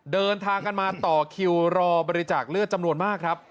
เดินทางกันมาต่อคิวรอบริจาคเลือดจำนวนมากครับ